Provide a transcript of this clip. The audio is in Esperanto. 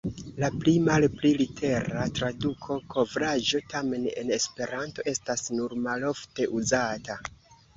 La pli-malpli litera traduko "kovraĵo" tamen en Esperanto estas nur malofte uzata.